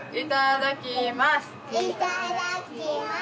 いただきます。